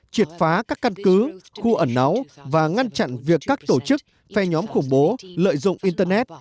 triệt phá các căn cứ khu ẩn náu và ngăn chặn việc các tổ chức phe nhóm khủng bố lợi dụng internet